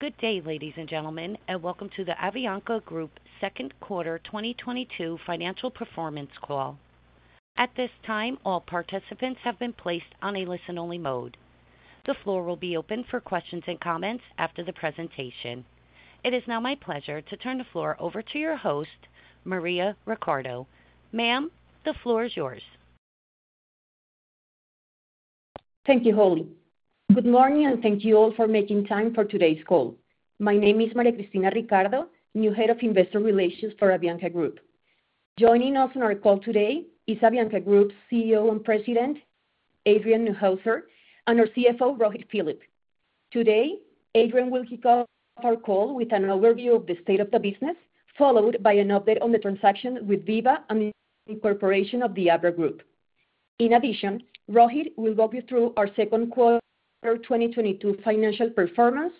Good day, ladies and gentlemen, and welcome to the Avianca Group second quarter 2022 financial performance call. At this time, all participants have been placed on a listen-only mode. The floor will be open for questions and comments after the presentation. It is now my pleasure to turn the floor over to your host, Maria Ricardo. Ma'am, the floor is yours. Thank you, Holly. Good morning, and thank you all for making time for today's call. My name is Maria Cristina Ricardo, new head of investor relations for Avianca Group. Joining us on our call today is Avianca Group CEO and President, Adrian Neuhauser, and our CFO, Rohit Philip. Today, Adrian will kick off our call with an overview of the state of the business, followed by an update on the transaction with Viva and the incorporation of the Abra Group. In addition, Rohit will walk you through our second quarter 2022 financial performance,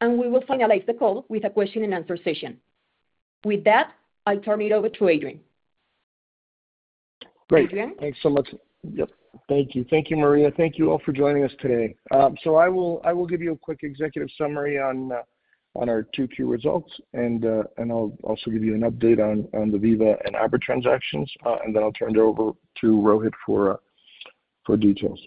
and we will finalize the call with a question-and-answer session. With that, I'll turn it over to Adrian. Great. Adrian? Thanks so much. Yep, thank you. Thank you, Maria. Thank you all for joining us today. I will give you a quick executive summary on Q2 key results, and I'll also give you an update on the Viva and Abra transactions, and then I'll turn it over to Rohit for details.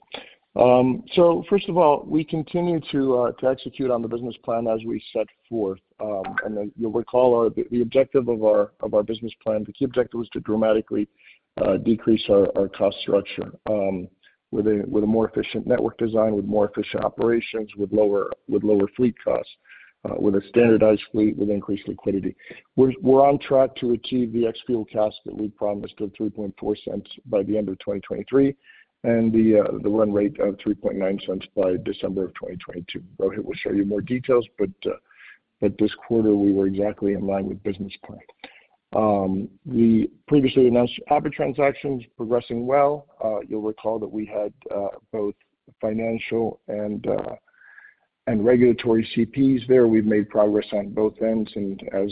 First of all, we continue to execute on the business plan as we set forth. You'll recall the objective of our business plan. The key objective was to dramatically decrease our cost structure with a more efficient network design, with more efficient operations, with lower fleet costs, with a standardized fleet, with increased liquidity. We're on track to achieve the ex-fuel costs that we promised of $0.034 by the end of 2023 and the run rate of $0.039 by December of 2022. Rohit will show you more details, but this quarter we were exactly in line with business plan. The previously announced Abra transaction is progressing well. You'll recall that we had both financial and regulatory CPs there. We've made progress on both ends, and as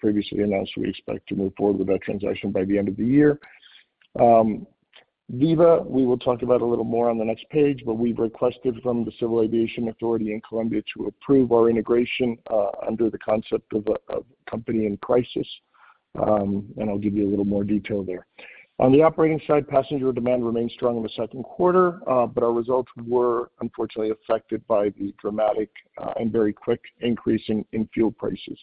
previously announced, we expect to move forward with that transaction by the end of the year. Viva Air, we will talk about a little more on the next page, but we've requested from the Civil Aviation Authority in Colombia to approve our integration under the concept of a company in crisis. I'll give you a little more detail there. On the operating side, passenger demand remained strong in the second quarter, but our results were unfortunately affected by the dramatic and very quick increase in fuel prices.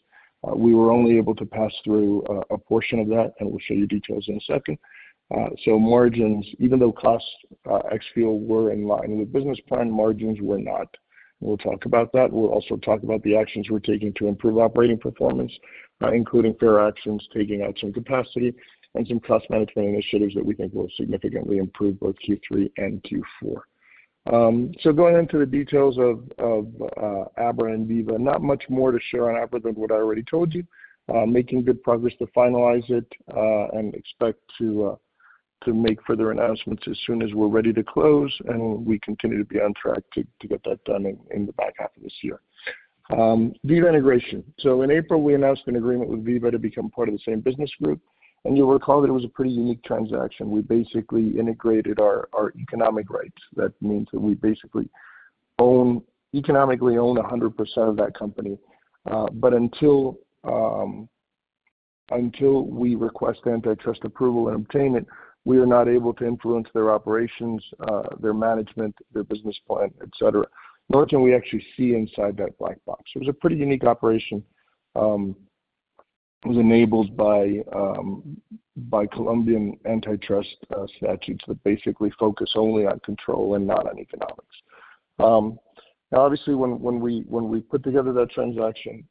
We were only able to pass through a portion of that, and we'll show you details in a second. Margins even though costs ex-fuel were in line with business plan, margins were not. We'll talk about that. We'll also talk about the actions we're taking to improve operating performance, including fare actions, taking out some capacity and some cost management initiatives that we think will significantly improve both Q3 and Q4. Going into the details of Abra and Viva. Not much more to share on Abra than what I already told you. Making good progress to finalize it, and expect to make further announcements as soon as we're ready to close, and we continue to be on track to get that done in the back half of this year. Viva integration. In April, we announced an agreement with Viva to become part of the same business group, and you'll recall that it was a pretty unique transaction. We basically integrated our economic rights. That means that we basically economically own 100% of that company. But until we request antitrust approval and obtain it, we are not able to influence their operations, their management, their business plan, et cetera, nor can we actually see inside that black box. It was a pretty unique operation, it was enabled by Colombian antitrust statutes that basically focus only on control and not on economics. Now obviously, when we put together that transaction,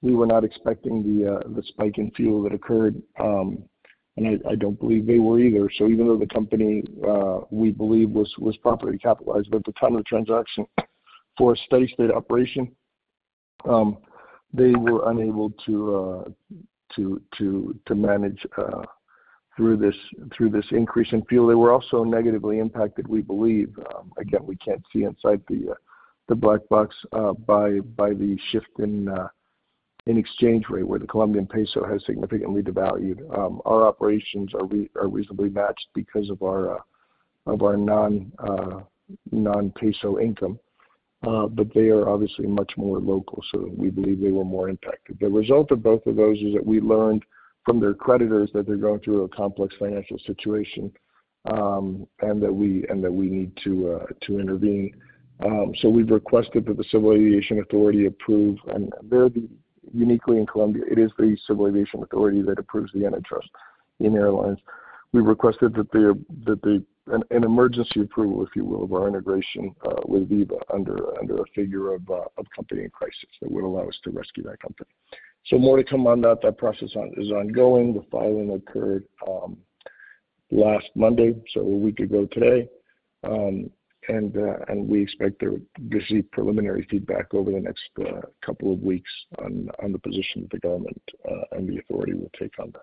we were not expecting the spike in fuel that occurred, and I don't believe they were either. Even though the company, we believe was properly capitalized at the time of transaction for a steady-state operation, they were unable to manage through this increase in fuel. They were also negatively impacted, we believe, again, we can't see inside the black box, by the shift in exchange rate where the Colombian peso has significantly devalued. Our operations are reasonably matched because of our non-peso income, but they are obviously much more local, so we believe they were more impacted. The result of both of those is that we learned from their creditors that they're going through a complex financial situation, and that we need to intervene. We've requested that the Civil Aviation Authority approve. Very uniquely in Colombia, it is the Civil Aviation Authority that approves the antitrust in airlines. We requested an emergency approval, if you will, of our integration with Viva under a figure of company in crisis that would allow us to rescue that company. More to come on that. That process is ongoing. The filing occurred last Monday, so a week ago today. We expect to receive preliminary feedback over the next couple of weeks on the position that the government and the authority will take on that.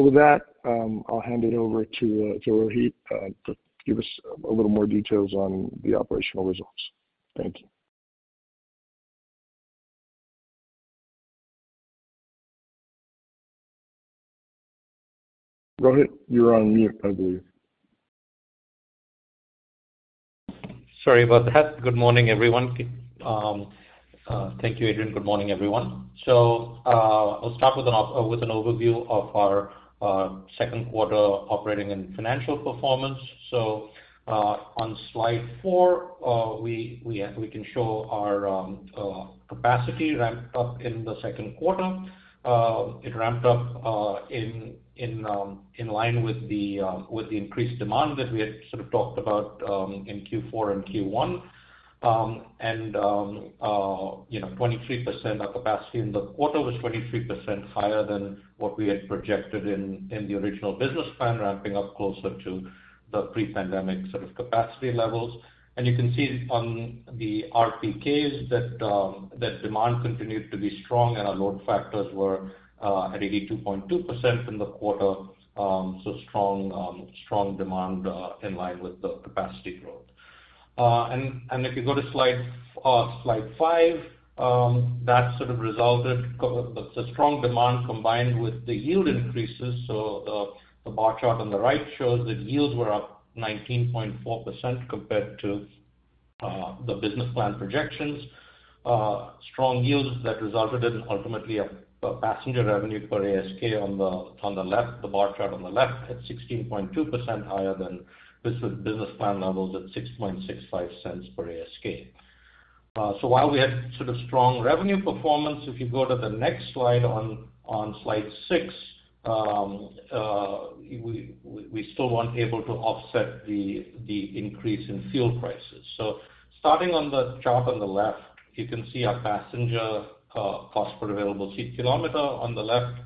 With that, I'll hand it over to Rohit to give us a little more details on the operational results. Thank you. Rohit, you're on mute, I believe. Sorry about that. Good morning, everyone. Thank you, Adrian. Good morning, everyone. I'll start with an overview of our second quarter operating and financial performance. On slide four, we can show our capacity ramped up in the second quarter. It ramped up in line with the increased demand that we had sort of talked about in Q4 and Q1. You know, 23%—our capacity in the quarter was 23% higher than what we had projected in the original business plan, ramping up closer to the pre-pandemic sort of capacity levels. You can see on the RPKs that demand continued to be strong and our load factors were at 82.2% in the quarter. Strong demand in line with the capacity growth. If you go to slide five, that sort of resulted in the strong demand combined with the yield increases. The bar chart on the right shows that yields were up 19.4% compared to the business plan projections. Strong yields that resulted in ultimately a passenger revenue per ASK on the left, the bar chart on the left at 16.2% higher than business plan levels at $0.0665 per ASK. While we had sort of strong revenue performance, if you go to the next slide, on slide six, we still weren't able to offset the increase in fuel prices. Starting on the chart on the left, you can see our passenger cost per available seat kilometer on the left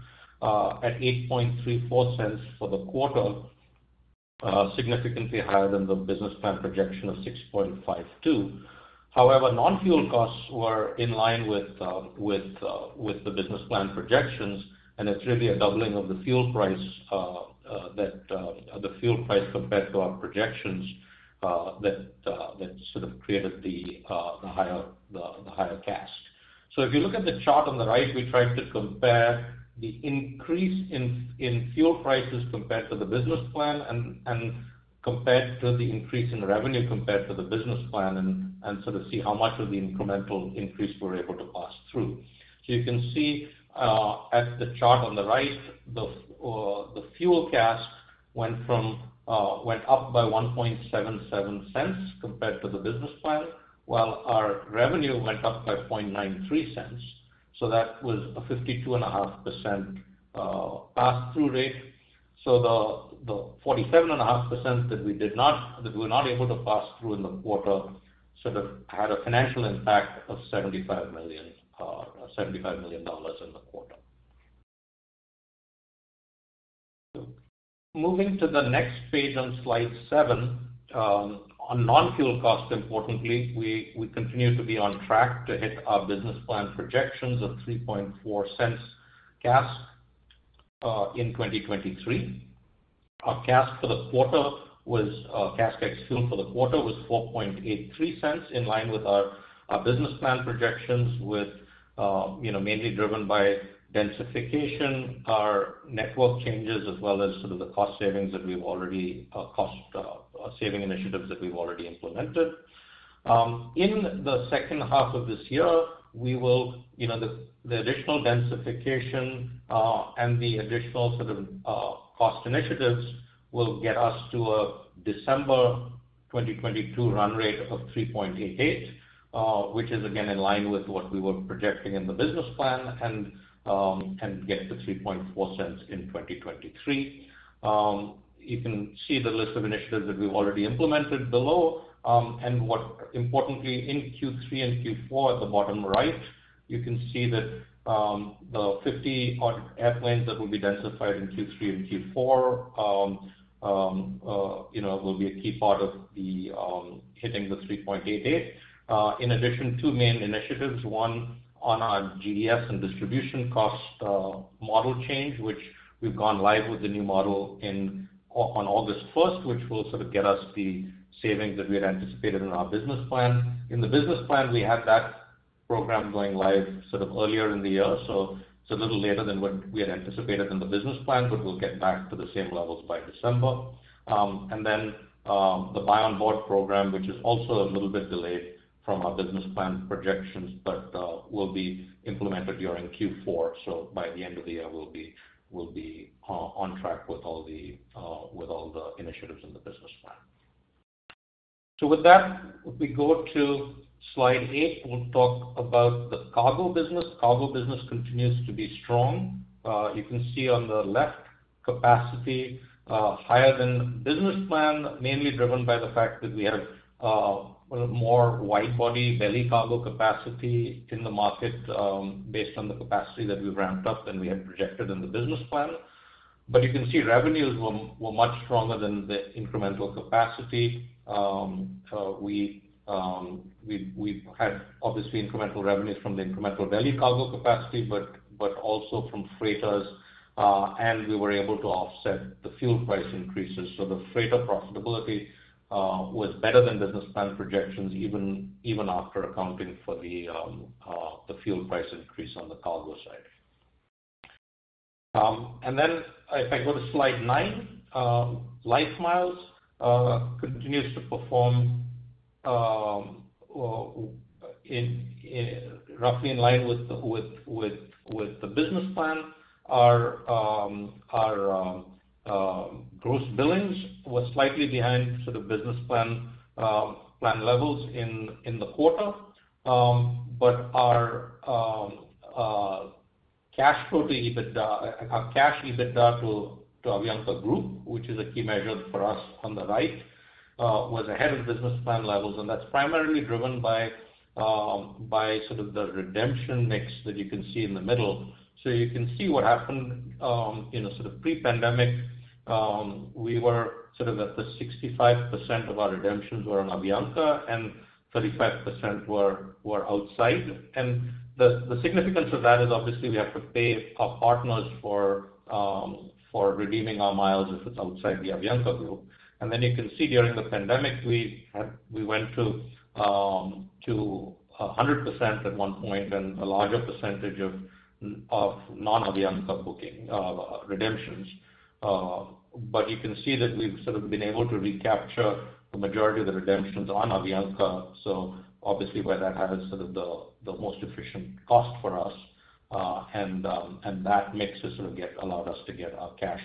at $0.0834 for the quarter significantly higher than the business plan projection of $0.0652. However, non-fuel costs were in line with the business plan projections, and it's really a doubling of the fuel price compared to our projections that sort of created the higher CASK. If you look at the chart on the right, we tried to compare the increase in fuel prices compared to the business plan and compared to the increase in revenue compared to the business plan and sort of see how much of the incremental increase we're able to pass through. You can see at the chart on the right, the fuel CASK went up by 1.77 cents compared to the business plan, while our revenue went up by $0.93. That was a 52.5% pass-through rate. The 47.5% that we were not able to pass through in the quarter sort of had a financial impact of $75 million in the quarter. Moving to the next page on slide seven. On non-fuel costs importantly, we continue to be on track to hit our business plan projections of $3.4 CASK in 2023. Our CASK ex fuel for the quarter was $0.0483, in line with our business plan projections with, you know, mainly driven by densification, our network changes as well as some of the cost saving initiatives that we've already implemented. In the second half of this year, you know, the additional densification and the additional sort of cost initiatives will get us to a December 2022 run rate of $0.0388, which is again in line with what we were projecting in the business plan and get to $0.034 in 2023. You can see the list of initiatives that we've already implemented below. What importantly in Q3 and Q4 at the bottom right, you can see that, the 50-odd airplanes that will be densified in Q3 and Q4, you know, will be a key part of hitting the 3.88. In addition, two main initiatives, one on our GDS and distribution cost model change, which we've gone live with the new model on August first, which will sort of get us the savings that we had anticipated in our business plan. In the business plan, we had that program going live sort of earlier in the year, so it's a little later than what we had anticipated in the business plan, but we'll get back to the same levels by December. The buy onboard program, which is also a little bit delayed from our business plan projections, but will be implemented during Q4. By the end of the year, we'll be on track with all the initiatives in the business plan. With that, we go to slide eight. We'll talk about the cargo business. Cargo business continues to be strong. You can see on the left capacity higher than business plan, mainly driven by the fact that we have more wide-body belly cargo capacity in the market, based on the capacity that we've ramped up than we had projected in the business plan. You can see revenues were much stronger than the incremental capacity. We've had obviously incremental revenues from the incremental belly cargo capacity, but also from freighters, and we were able to offset the fuel price increases. The freighter profitability was better than business plan projections even after accounting for the fuel price increase on the cargo side. Then if I go to slide 9, LifeMiles continues to perform roughly in line with the business plan. Our gross billings was slightly behind sort of business plan levels in the quarter. Our cash EBITDA to Avianca Group, which is a key measure for us on the right, was ahead of business plan levels, and that's primarily driven by sort of the redemption mix that you can see in the middle. You can see what happened in a sort of pre-pandemic, we were sort of at the 65% of our redemptions were on Avianca and 35% were outside. The significance of that is obviously we have to pay our partners for redeeming our miles if it's outside the Avianca group. You can see during the pandemic we went to 100% at one point and a larger percentage of non-Avianca booking redemptions. You can see that we've sort of been able to recapture the majority of the redemptions on Avianca, so obviously where that has sort of the most efficient cost for us. That mix has sort of allowed us to get our cash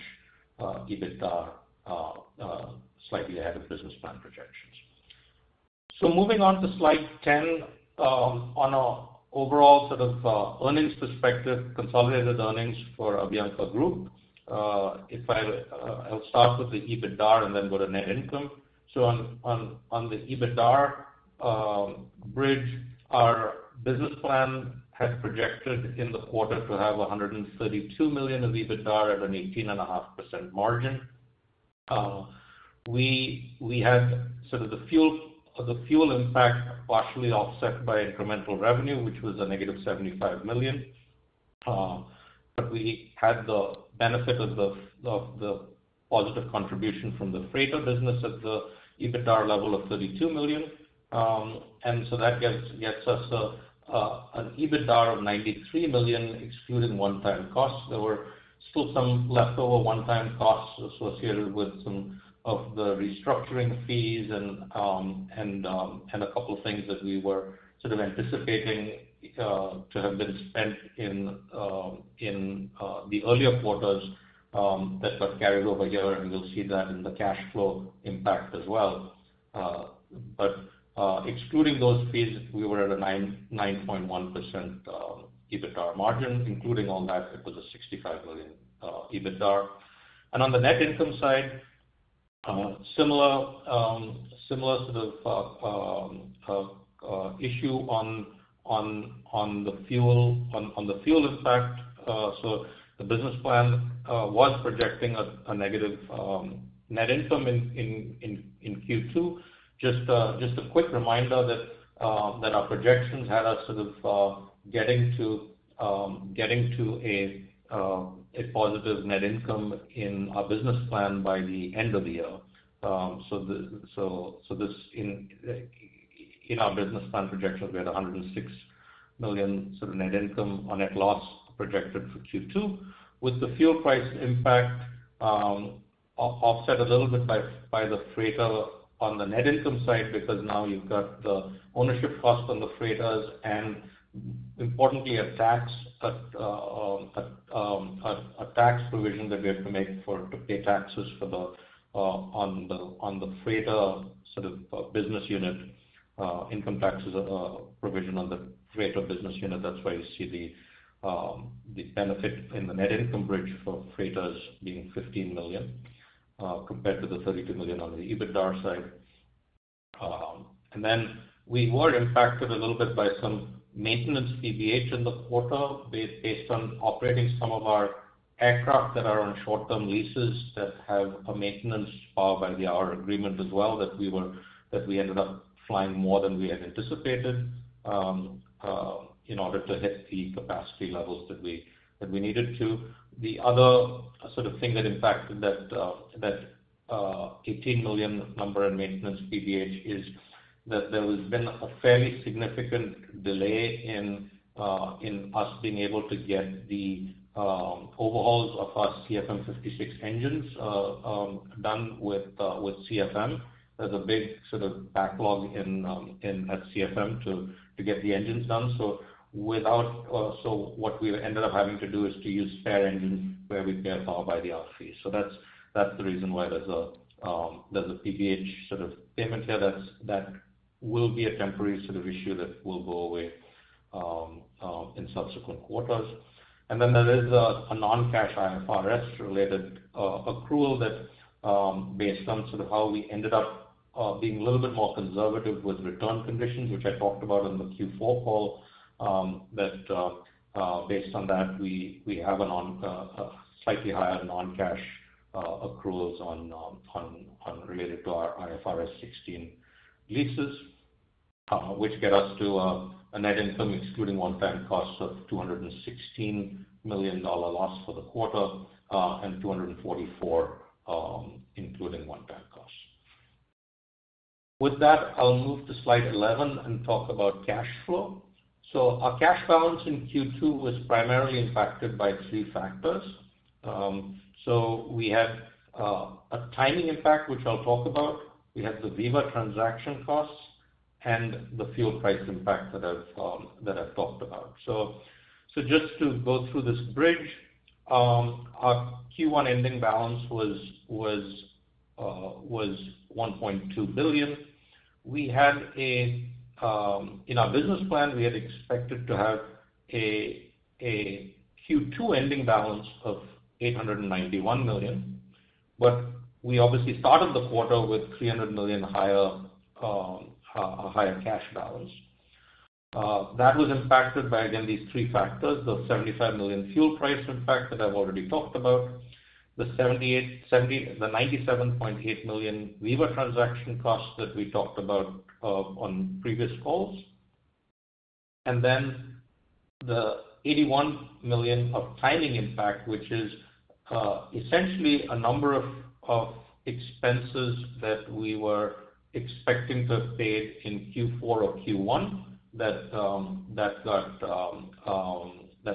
EBITDA slightly ahead of business plan projections. Moving on to slide 10. On an overall sort of earnings perspective, consolidated earnings for Avianca Group. If I'll start with the EBITDAR and then go to net income. On the EBITDAR bridge, our business plan had projected in the quarter to have $132 million of EBITDAR at an 18.5% margin. We had sort of the fuel impact partially offset by incremental revenue, which was a -$75 million. We had the benefit of the positive contribution from the freighter business at the EBITDAR level of $32 million. That gets us an EBITDAR of $93 million, excluding one-time costs. There were still some leftover one-time costs associated with some of the restructuring fees and a couple things that we were sort of anticipating to have been spent in the earlier quarters that got carried over here, and you'll see that in the cash flow impact as well. Excluding those fees, we were at a 9.1% EBITDAR margin. Including all that, it was a $65 million EBITDAR. On the net income side, similar sort of issue on the fuel impact. The business plan was projecting a negative net income in Q2. Just a quick reminder that our projections had us sort of getting to a positive net income in our business plan by the end of the year. In our business plan projections, we had $106 million sort of net income or net loss projected for Q2. With the fuel price impact offset a little bit by the freighter on the net income side, because now you've got the ownership cost on the freighters and importantly a tax provision that we have to make to pay taxes on the freighter sort of business unit, income taxes provision on the freighter business unit. That's why you see the benefit in the net income bridge for freighters being $15 million compared to the $32 million on the EBITDAR side. We were impacted a little bit by some maintenance PBH in the quarter based on operating some of our aircraft that are on short-term leases that have a pay-by-the-hour maintenance agreement as well that we ended up flying more than we had anticipated in order to hit the capacity levels that we needed to. The other sort of thing that impacted that $18 million number in maintenance PBH is that there has been a fairly significant delay in us being able to get the overhauls of our CFM56 engines done with CFM. There's a big sort of backlog at CFM to get the engines done. What we've ended up having to do is to use spare engines where we pay a Power by the Hour fee. That's the reason why there's a PBH sort of payment here that's a temporary sort of issue that will go away in subsequent quarters. There is a non-cash IFRS-related accrual that, based on sort of how we ended up being a little bit more conservative with return conditions, which I talked about in the Q4 call, that based on that, we have a slightly higher non-cash accruals on related to our IFRS 16 leases. Which gets us to a net income excluding one-time costs of $216 million loss for the quarter, and $244 million, including one-time costs. With that, I'll move to slide 11 and talk about cash flow. Our cash balance in Q2 was primarily impacted by three factors. We had a timing impact, which I'll talk about. We had the Viva transaction costs and the fuel price impact that I've talked about. Just to go through this bridge, our Q1 ending balance was $1.2 billion. In our business plan, we had expected to have a Q2 ending balance of $891 million. But we obviously started the quarter with $300 million higher cash balance. That was impacted by, again, these three factors, the $75 million fuel price impact that I've already talked about, the $97.8 million Viva transaction costs that we talked about on previous calls. Then the $81 million of timing impact, which is essentially a number of expenses that we were expecting to have paid in Q4 or Q1 that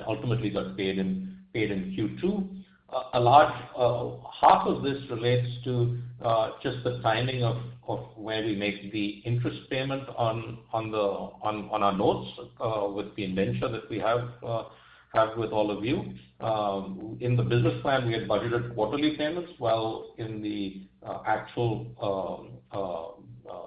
ultimately got paid in Q2. A large half of this relates to just the timing of where we make the interest payment on our notes with the indenture that we have with all of you. In the business plan, we had budgeted quarterly payments, while in the actual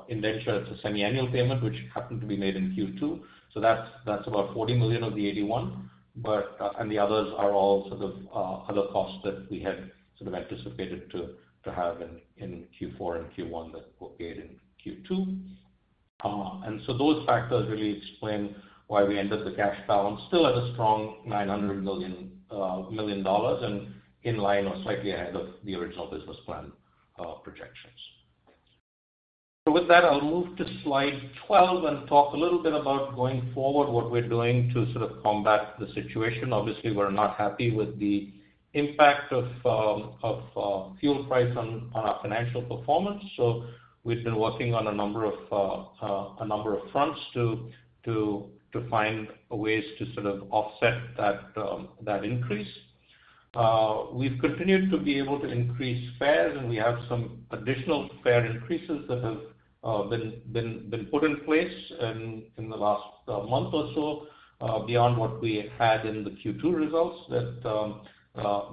indenture, it's a semiannual payment, which happened to be made in Q2. That's about $40 million of the $81. The others are all sort of other costs that we had sort of anticipated to have in Q4 and Q1 that were paid in Q2. Those factors really explain why we ended the cash balance still at a strong $900 million and in line or slightly ahead of the original business plan projections. With that, I'll move to slide 12 and talk a little bit about going forward, what we're doing to sort of combat the situation. Obviously, we're not happy with the impact of fuel price on our financial performance. We've been working on a number of fronts to find ways to sort of offset that increase. We've continued to be able to increase fares, and we have some additional fare increases that have been put in place in the last month or so, beyond what we had in the Q2 results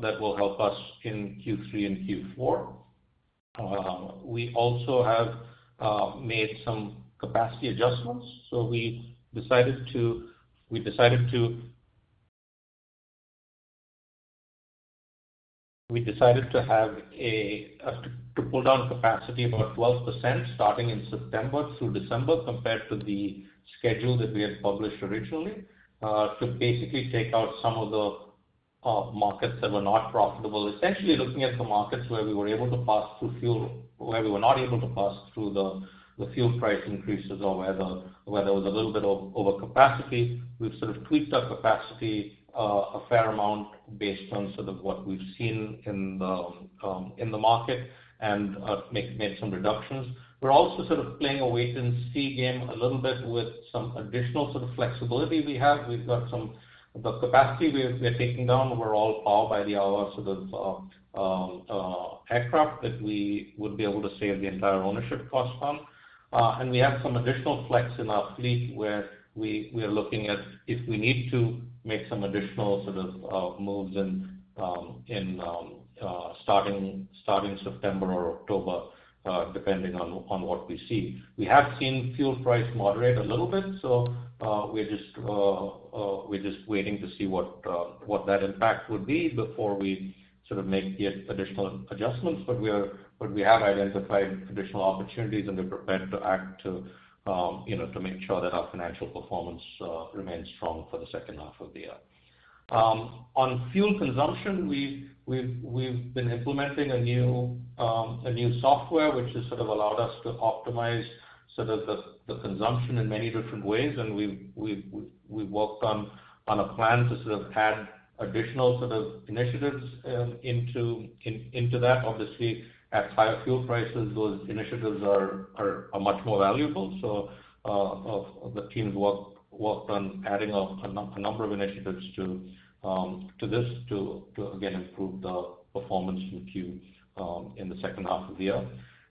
that will help us in Q3 and Q4. We also have made some capacity adjustments. We decided to pull down capacity about 12% starting in September through December compared to the schedule that we had published originally, to basically take out some of the markets that were not profitable. Essentially looking at the markets where we were not able to pass through the fuel price increases or where there was a little bit of overcapacity. We've sort of tweaked our capacity a fair amount based on sort of what we've seen in the market and made some reductions. We're also sort of playing a wait-and-see game a little bit with some additional sort of flexibility we have. The capacity we're taking down were all power by the hour, so those aircraft that we would be able to save the entire ownership cost on. We have some additional flex in our fleet where we are looking at if we need to make some additional sort of moves in starting September or October, depending on what we see. We have seen fuel price moderate a little bit. We're just waiting to see what that impact would be before we sort of make the additional adjustments. We have identified additional opportunities and we're prepared to act to you know to make sure that our financial performance remains strong for the second half of the year. On fuel consumption, we've been implementing a new software which has sort of allowed us to optimize sort of the consumption in many different ways. We've worked on a plan to sort of add additional sort of initiatives into that. Obviously, at higher fuel prices, those initiatives are much more valuable. The team's worked on adding a number of initiatives to this to again improve the performance in Q in the second half of the year.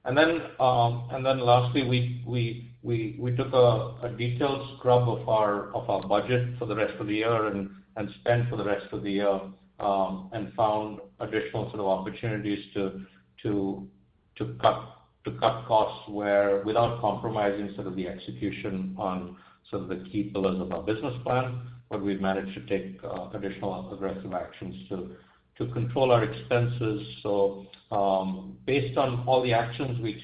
Lastly, we took a detailed scrub of our budget for the rest of the year and spend for the rest of the year and found additional sort of opportunities to cut costs, without compromising sort of the execution on sort of the key pillars of our business plan. We've managed to take additional aggressive actions to control our expenses. Based on all the actions we've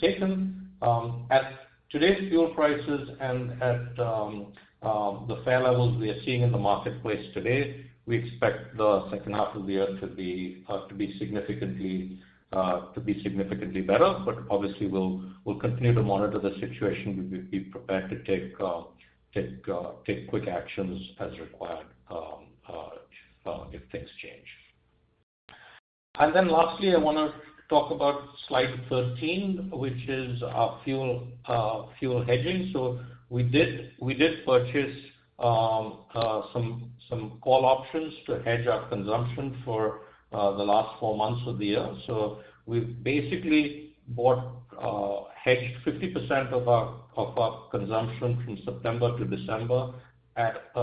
taken at today's fuel prices and at the fare levels we are seeing in the marketplace today, we expect the second half of the year to be significantly better. Obviously, we'll continue to monitor the situation. We'll be prepared to take quick actions as required if things change. Then lastly, I wanna talk about slide 13, which is our fuel hedging. We did purchase some call options to hedge our consumption for the last four months of the year. We basically bought hedged 50% of our consumption from September to December at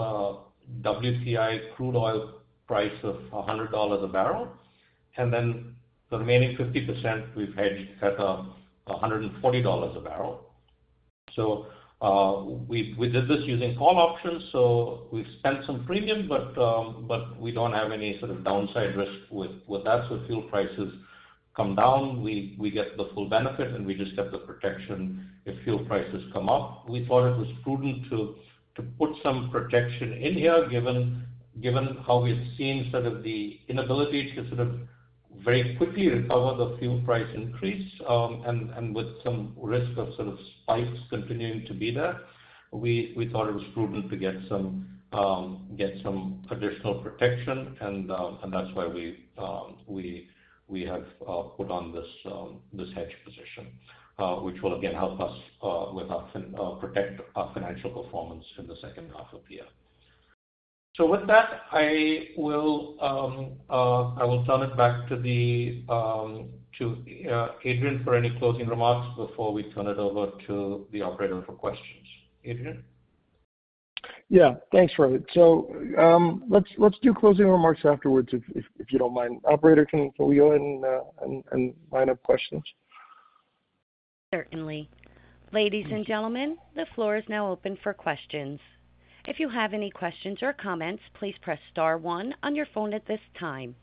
WTI crude oil price of $100 a barrel. The remaining 50% we've hedged at $140 a barrel. We did this using call options, so we've spent some premium, but we don't have any sort of downside risk with that. If fuel prices come down, we get the full benefit, and we just get the protection if fuel prices come up. We thought it was prudent to put some protection in here, given how we've seen sort of the inability to sort of very quickly recover the fuel price increase. With some risk of sort of spikes continuing to be there, we thought it was prudent to get some additional protection. that's why we have put on this hedge position, which will again help us protect our financial performance in the second half of the year. With that, I will turn it back to Adrian for any closing remarks before we turn it over to the operator for questions. Adrian? Yeah, thanks, Rohit. Let's do closing remarks afterwards if you don't mind. Operator, can we go and line up questions? Certainly. Ladies and gentlemen, the floor is now open for questions. If you have any questions or comments, please press star one on your phone at this time.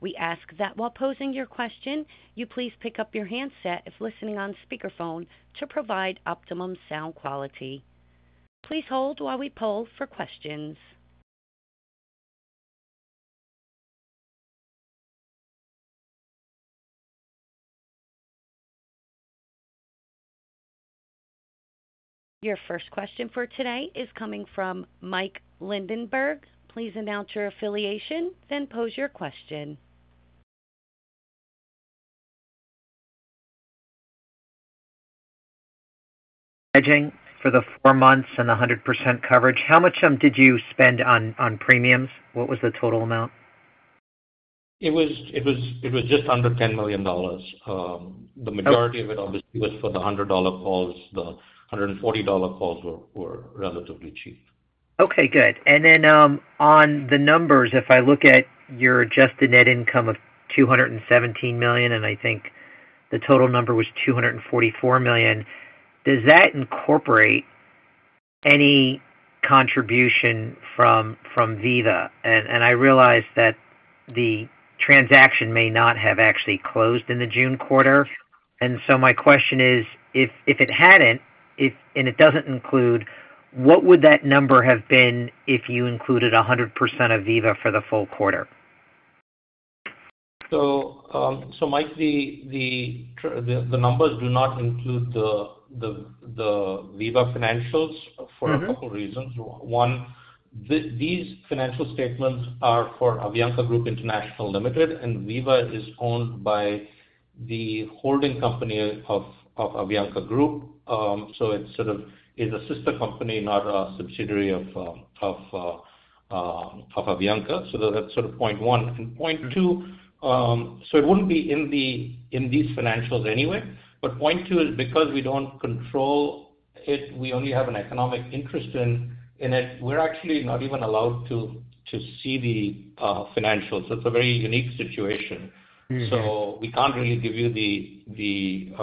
We ask that while posing your question, you please pick up your handset if listening on speakerphone to provide optimum sound quality. Please hold while we poll for questions. Your first question for today is coming from Michael Linenberg. Please announce your affiliation, then pose your question. Hedging for the 4 months and the 100% coverage, how much did you spend on premiums? What was the total amount? It was just under $10 million. The majority of it obviously was for the $100 calls. The $140 calls were relatively cheap. Okay, good. Then, on the numbers, if I look at your adjusted net income of $217 million, and I think the total number was $244 million, does that incorporate any contribution from Viva? I realize that the transaction may not have actually closed in the June quarter. My question is: if it hadn't and it doesn't include, what would that number have been if you included 100% of Viva for the full quarter? Mike, the numbers do not include the Viva financials. For a couple reasons. One, these financial statements are for Avianca Group International Limited, and Viva is owned by the holding company of Avianca Group. It sort of is a sister company, not a subsidiary of Avianca. That's sort of point one. Point two, it wouldn't be in these financials anyway. Point two is because we don't control it, we only have an economic interest in it, we're actually not even allowed to see the financials. It's a very unique situation. We can't really give you the, you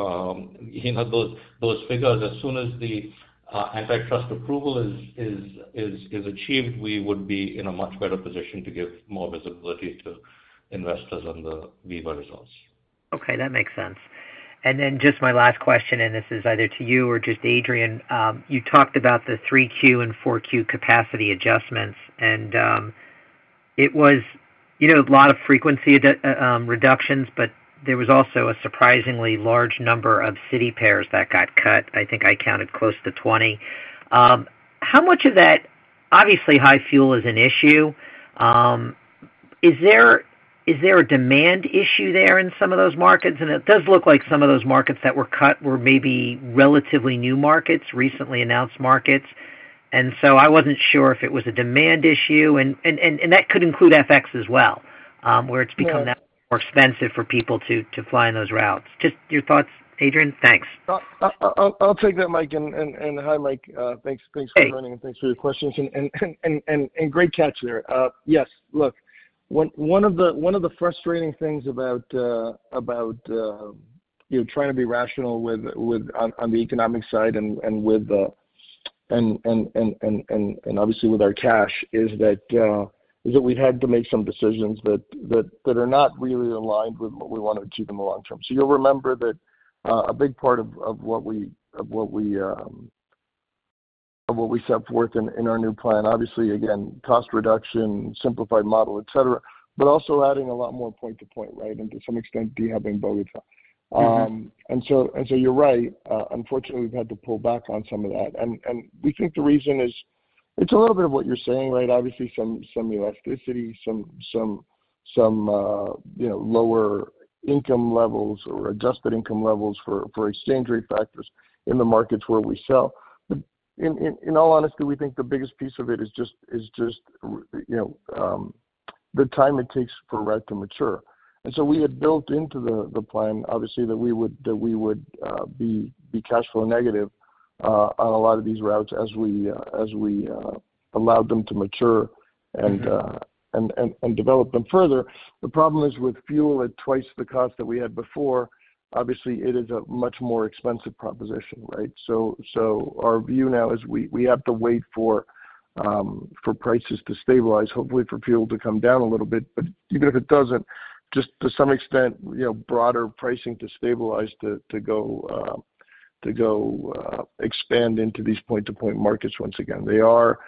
know, those figures. As soon as the antitrust approval is achieved, we would be in a much better position to give more visibility to investors on the Viva results. Okay, that makes sense. Just my last question, and this is either to you or just Adrian. You talked about the 3Q and 4Q capacity adjustments, and it was, you know, a lot of frequency reductions, but there was also a surprisingly large number of city pairs that got cut. I think I counted close to 20. How much of that obviously high fuel is an issue. Is there a demand issue there in some of those markets? It does look like some of those markets that were cut were maybe relatively new markets, recently announced markets. I wasn't sure if it was a demand issue and that could include FX as well, where it's become that more expensive for people to fly in those routes. Just your thoughts, Adrian? Thanks. I'll take that, Mike, and hi, Mike. Thanks. Thanks for joining and thanks for your questions and great catch there. Yes. Look, one of the frustrating things about, you know, trying to be rational with, on the economic side and obviously with our cash is that we've had to make some decisions that are not really aligned with what we wanna achieve in the long term. You'll remember that, a big part of what we set forth in our new plan, obviously again, cost reduction, simplified model, et cetera, but also adding a lot more point to point, right? To some extent, de-hubbing Bogotá. You're right. Unfortunately we've had to pull back on some of that. We think the reason is It's a little bit of what you're saying, right? Obviously some elasticity, you know, lower income levels or adjusted income levels for exchange rate factors in the markets where we sell. In all honesty, we think the biggest piece of it is just you know, the time it takes for a route to mature. We had built into the plan, obviously, that we would be cash flow negative on a lot of these routes as we allowed them to mature and Develop them further. The problem is with fuel at twice the cost that we had before, obviously it is a much more expensive proposition, right? Our view now is we have to wait for prices to stabilize, hopefully for fuel to come down a little bit. Even if it doesn't, just to some extent, you know, broader pricing to stabilize, to go expand into these point-to-point markets once again. They are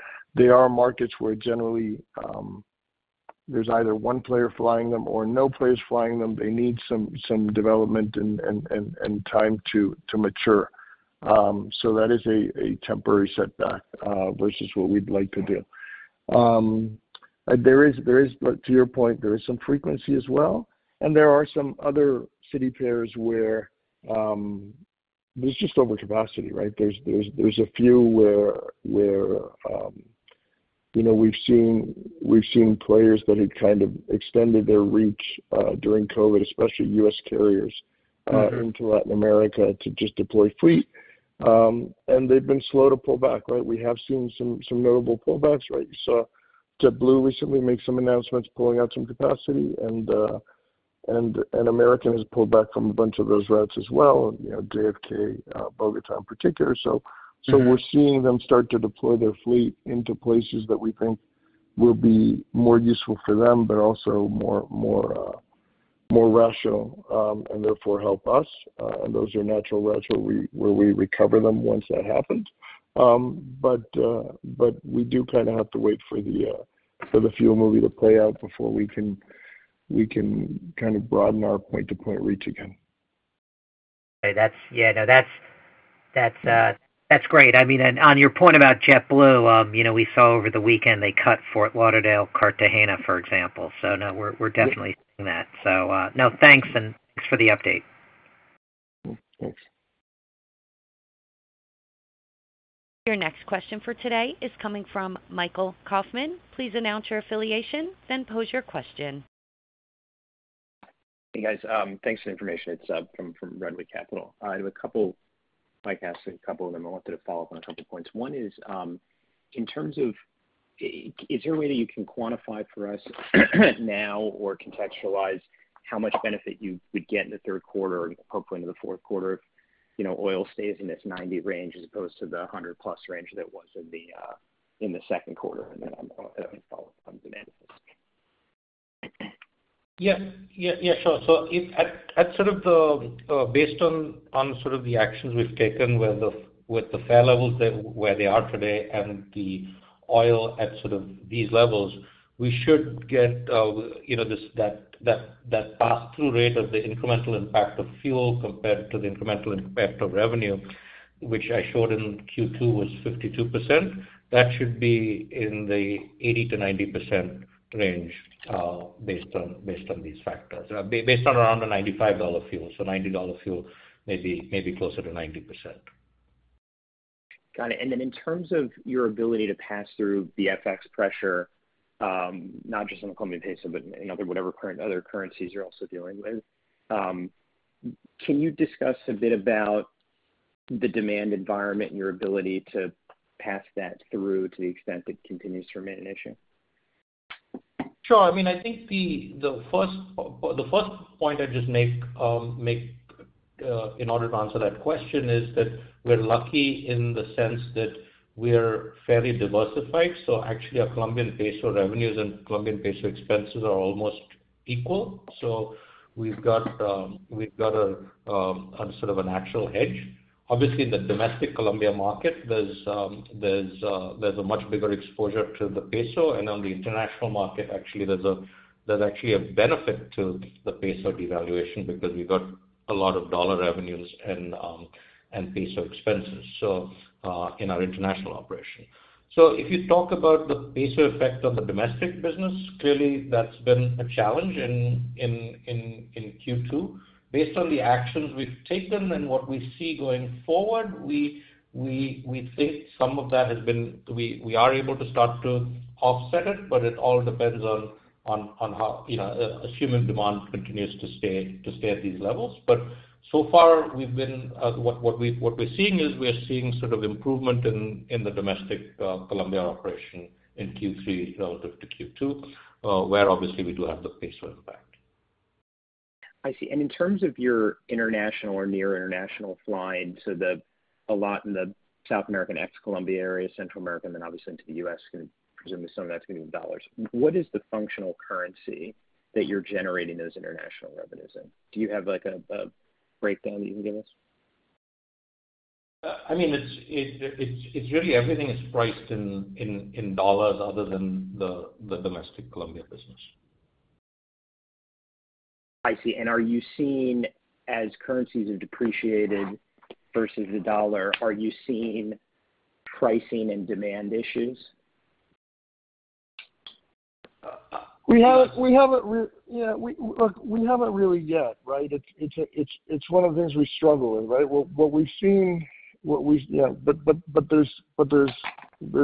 markets where generally there's either one player flying them or no players flying them. They need some development and time to mature. That is a temporary setback versus what we'd like to do. There is—but to your point, there is some frequency as well, and there are some other city pairs where there's just overcapacity, right? There's a few where you know we've seen players that had kind of extended their reach during COVID, especially U.S. carriers. into Latin America to just deploy fleet. They've been slow to pull back, right? We have seen some notable pullbacks, right? You saw JetBlue recently make some announcements pulling out some capacity, and American has pulled back from a bunch of those routes as well, you know, JFK, Bogotá in particular. We're seeing them start to deploy their fleet into places that we think will be more useful for them, but also more rational, and therefore help us. Those are natural routes where we recover them once that happens. We do kinda have to wait for the full movie to play out before we can kind of broaden our point-to-point reach again. That's great. I mean, on your point about JetBlue, you know, we saw over the weekend they cut Fort Lauderdale-Cartagena, for example. No, we're definitely seeing that. No, thanks and thanks for the update. Thanks. Your next question for today is coming from Michael Kaufman. Please announce your affiliation, then pose your question. Hey, guys. Thanks for the information. It's from Redwood Capital. I might ask a couple of them. I wanted to follow up on a couple points. One is, in terms of, is there a way that you can quantify for us now or contextualize how much benefit you would get in the third quarter and hopefully into the fourth quarter if, you know, oil stays in this $90 range as opposed to the $100+ range that it was in the second quarter? Let me follow up on demand. Yeah, sure. Based on sort of the actions we've taken with the fare levels where they are today and the oil at sort of these levels, we should get that pass-through rate of the incremental impact of fuel compared to the incremental impact of revenue, which I showed in Q2 was 52%, that should be in the 80%-90% range, based on these factors. Based on around a $95 fuel. $90 fuel may be closer to 90%. Got it. In terms of your ability to pass through the FX pressure, not just on the Colombian peso, but any other, whatever current other currencies you're also dealing with, can you discuss a bit about the demand environment and your ability to pass that through to the extent it continues to remain an issue? Sure. I mean, I think the first point I'd just make in order to answer that question is that we're lucky in the sense that we're fairly diversified. Actually our Colombian peso revenues and Colombian peso expenses are almost equal. We've got a sort of an actual hedge. Obviously, in the domestic Colombia market, there's a much bigger exposure to the peso, and on the international market, actually, there's actually a benefit to the peso devaluation because we've got a lot of dollar revenues and peso expenses, so in our international operation. If you talk about the peso effect on the domestic business, clearly that's been a challenge in Q2. Based on the actions we've taken and what we see going forward, we think we are able to start to offset it, but it all depends on how, you know, assuming demand continues to stay at these levels. So far what we're seeing is we are seeing sort of improvement in the domestic Colombia operation in Q3 relative to Q2, where obviously we do have the peso impact. I see. In terms of your international or near international flying, a lot in the South American, ex-Colombia area, Central America, and then obviously into the U.S., presumably some of that's gonna be in dollars. What is the functional currency that you're generating those international revenues in? Do you have like a breakdown that you can give us? I mean, it's really everything is priced in dollars other than the domestic Colombia business. I see. Are you seeing, as currencies have depreciated versus the U.S. dollar, are you seeing pricing and demand issues? Look, we haven't really yet, right? It's one of the things we struggle with, right? What we've seen. Yeah. There's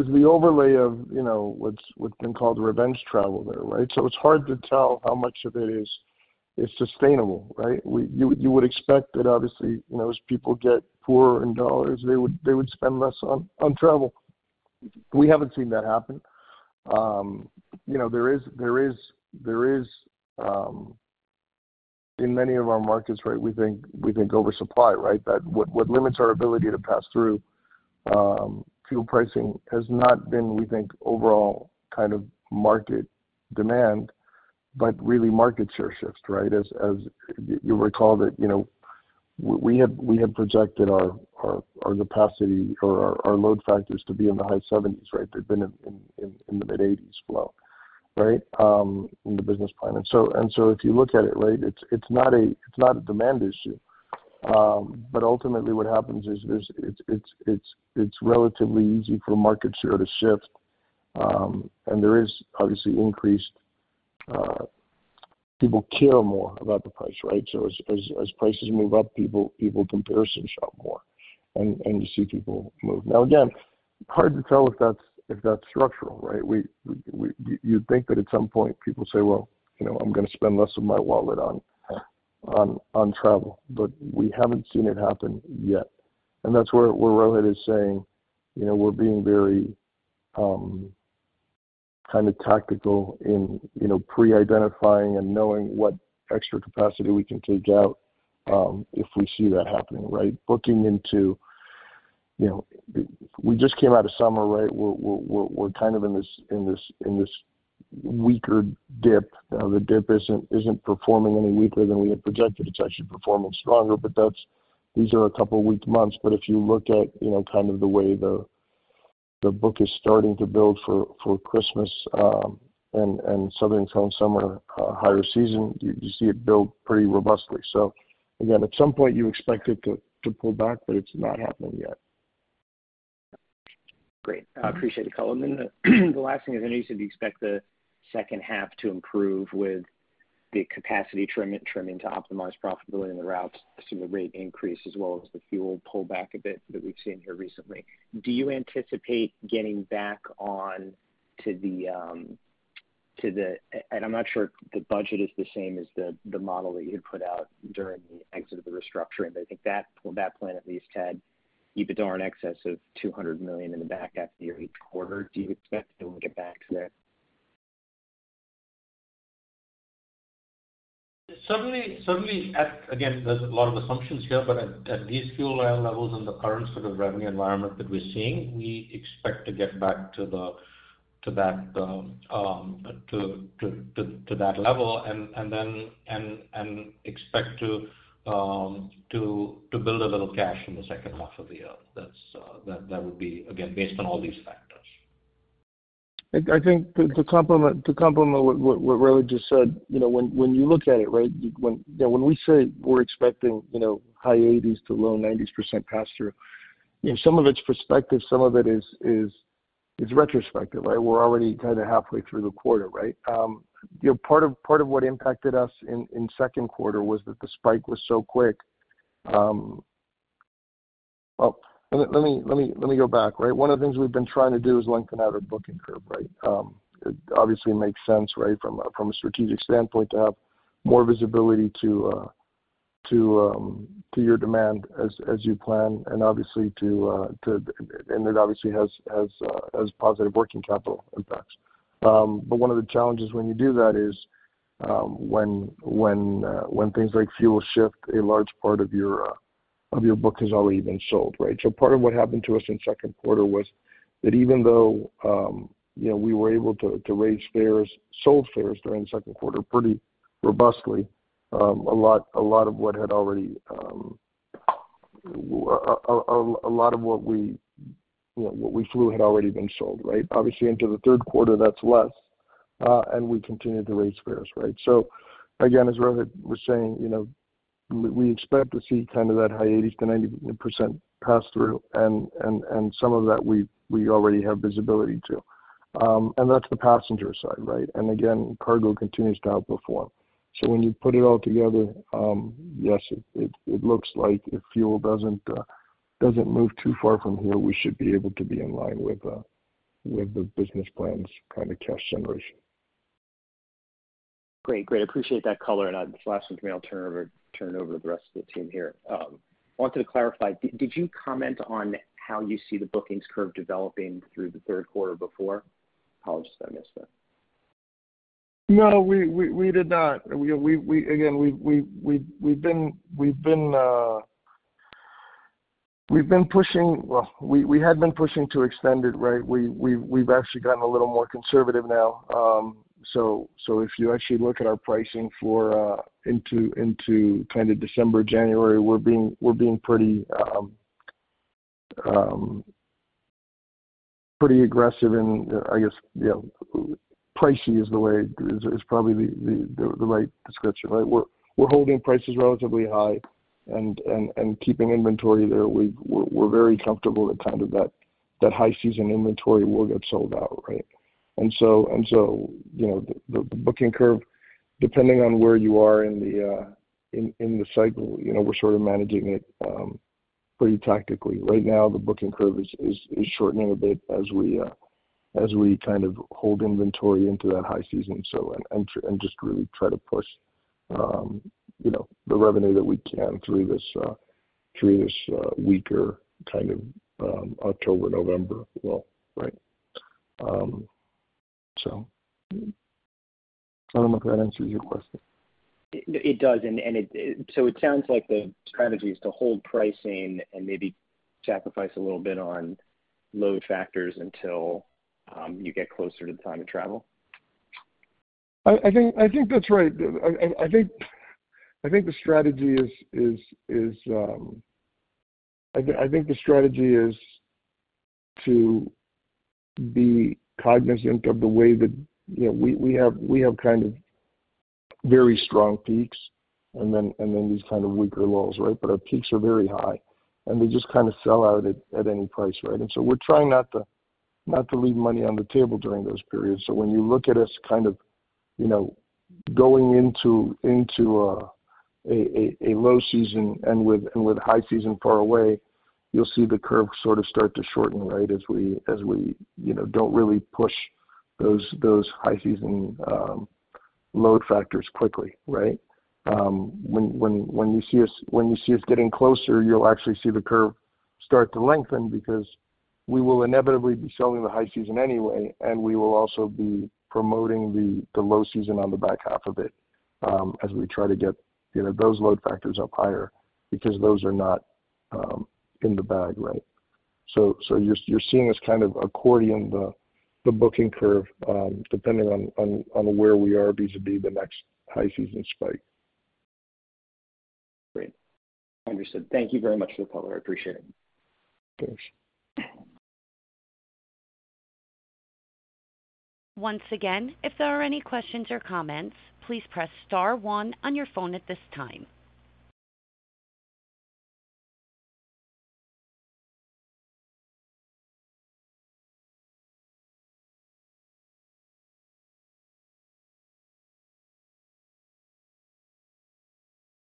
the overlay of, you know, what's been called revenge travel there, right? So it's hard to tell how much of it is sustainable, right? You would expect that obviously, you know, as people get poorer in dollars, they would spend less on travel. We haven't seen that happen. You know, there is in many of our markets, right, we think oversupply, right? That what limits our ability to pass through fuel pricing has not been, we think, overall kind of market demand, but really market share shifts, right? You'll recall that, you know, we had projected our capacity or our load factors to be in the high 70%s, right? They've been in the mid-80s% below, right? In the business plan. If you look at it, right, it's not a demand issue. But ultimately what happens is it's relatively easy for market share to shift. People care more about the price, right? As prices move up, people comparison shop more, and you see people move. Now again, hard to tell if that's structural, right? You'd think that at some point people say, "Well, you know, I'm gonna spend less of my wallet on travel." We haven't seen it happen yet. That's where Rohit is saying, you know, we're being very kind of tactical in, you know, pre-identifying and knowing what extra capacity we can take out if we see that happening, right? Booking into, you know, we just came out of summer, right? We're kind of in this weaker dip. Now the dip isn't performing any weaker than we had projected. It's actually performing stronger. That's. These are a couple weak months. If you look at, you know, kind of the way the book is starting to build for Christmas and southern hemisphere summer high season, you see it build pretty robustly. Again, at some point you expect it to pull back, but it's not happening yet. Great. I appreciate the color. The last thing is, I know you said you expect the second half to improve with the capacity trim, trimming to optimize profitability in the routes, assuming the rate increase as well as the fuel pull back a bit that we've seen here recently. Do you anticipate getting back on to the? I'm not sure if the budget is the same as the model that you had put out during the exit of the restructuring. I think that, well, that plan at least had EBITDA in excess of $200 million in the back half of the year, each quarter. Do you expect that we'll get back to that? Certainly at these fuel oil levels and the current sort of revenue environment that we're seeing, we expect to get back to that level and then expect to build a little cash in the second half of the year. That would be, again, based on all these factors. I think to complement what Rohit just said, you know, when you look at it, right, when you know, when we say we're expecting, you know, high 80%s-low 90s% pass-through, you know, some of it's prospective, some of it is retrospective, right? We're already kind of halfway through the quarter, right? You know, part of what impacted us in second quarter was that the spike was so quick. Well, let me go back, right? One of the things we've been trying to do is lengthen out our booking curve, right? It obviously makes sense, right, from a strategic standpoint to have more visibility to your demand as you plan and obviously it has positive working capital impacts. One of the challenges when you do that is when things like fuel shift, a large part of your book has already been sold, right? Part of what happened to us in second quarter was that even though you know we were able to raise fares sold fares during second quarter pretty robustly, a lot of what we, you know, flew had already been sold, right? Obviously into the third quarter, that's less and we continued to raise fares, right? Again, as Rohit was saying, you know, we expect to see kind of that high 80%s to 90% pass-through and some of that we already have visibility to. That's the passenger side, right? Again, cargo continues to outperform. When you put it all together, yes, it looks like if fuel doesn't move too far from here, we should be able to be in line with the business plan's kind of cash generation. Great. Appreciate that color. This is the last one for me. I'll turn it over to the rest of the team here. Wanted to clarify, did you comment on how you see the bookings curve developing through the third quarter before? Or I just missed that. No, we did not. Again, we've been pushing. Well, we had been pushing to extend it, right? We've actually gotten a little more conservative now. So, if you actually look at our pricing for into kind of December, January, we're being pretty aggressive and I guess, you know, pricey is the way, is probably the right description, right? We're holding prices relatively high and keeping inventory there. We're very comfortable that kind of that high season inventory will get sold out, right? You know, the booking curve, depending on where you are in the cycle, you know, we're sort of managing it pretty tactically. Right now, the booking curve is shortening a bit as we kind of hold inventory into that high season, and just really try to push, you know, the revenue that we can through this weaker kind of October, November lull, right? I don't know if that answers your question. It does. It sounds like the strategy is to hold pricing and maybe sacrifice a little bit on load factors until you get closer to the time of travel. I think that's right. I think the strategy is to be cognizant of the way that, you know, we have kind of very strong peaks and then these kind of weaker lows, right? Our peaks are very high, and they just kinda sell out at any price, right? We're trying not to leave money on the table during those periods. When you look at us kind of, you know, going into a low season and with high season far away, you'll see the curve sort of start to shorten, right? As we, you know, don't really push those high season load factors quickly, right? When you see us getting closer, you'll actually see the curve start to lengthen because we will inevitably be selling the high season anyway, and we will also be promoting the low season on the back half of it, as we try to get, you know, those load factors up higher because those are not in the bag, right? You're seeing us kind of accordion the booking curve, depending on where we are vis-a-vis the next high season spike. Great. Understood. Thank you very much for the color. I appreciate it. Of course. Once again, if there are any questions or comments, please press star one on your phone at this time.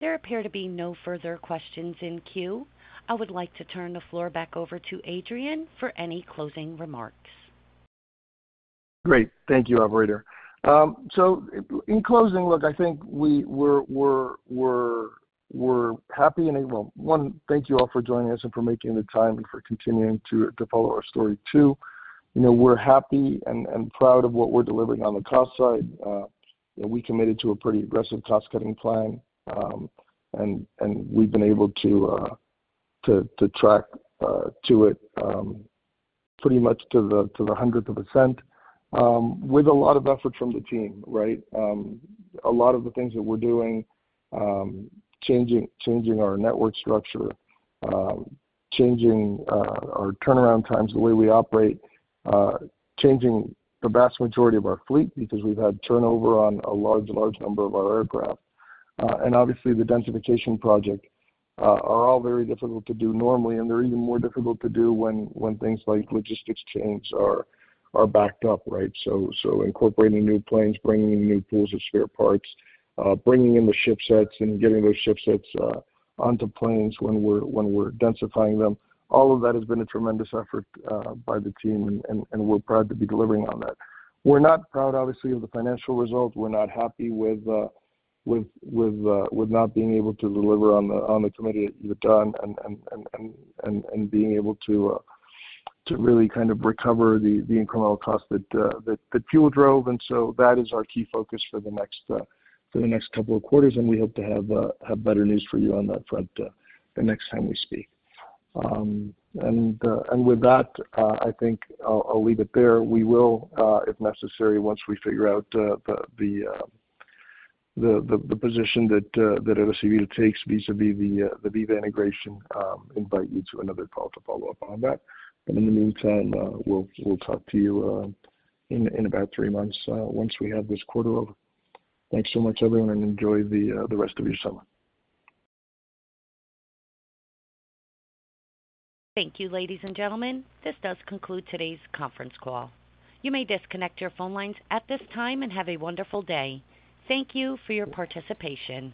There appear to be no further questions in queue. I would like to turn the floor back over to Adrian for any closing remarks. Great. Thank you, operator. In closing, look, I think we're happy. Well, one, thank you all for joining us and for making the time and for continuing to follow our story too. You know, we're happy and proud of what we're delivering on the cost side. You know, we committed to a pretty aggressive cost-cutting plan, and we've been able to track to it pretty much to the hundredth of a cent, with a lot of effort from the team, right? A lot of the things that we're doing, changing our network structure, changing our turnaround times, the way we operate, changing the vast majority of our fleet because we've had turnover on a large number of our aircraft. Obviously the densification project are all very difficult to do normally, and they're even more difficult to do when things like logistics chains are backed up, right? Incorporating new planes, bringing in new pools of spare parts, bringing in the ship sets and getting those ship sets onto planes when we're densifying them. All of that has been a tremendous effort by the team, and we're proud to be delivering on that. We're not proud obviously of the financial result. We're not happy with not being able to deliver on the commitment that we've done and being able to really kind of recover the incremental cost that fuel drove. That is our key focus for the next couple of quarters, and we hope to have better news for you on that front the next time we speak. With that, I think I'll leave it there. We will, if necessary, once we figure out the position that Aeromar takes vis-a-vis the Viva integration, invite you to another call to follow up on that. In the meantime, we'll talk to you in about three months, once we have this quarter over. Thanks so much, everyone, and enjoy the rest of your summer. Thank you, ladies and gentlemen. This does conclude today's conference call. You may disconnect your phone lines at this time and have a wonderful day. Thank you for your participation.